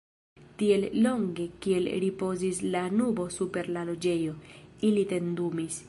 Tiel longe kiel ripozis la nubo super la Loĝejo, ili tendumis.